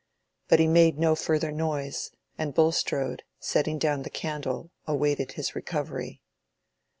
But he made no further noise, and Bulstrode, setting down the candle, awaited his recovery.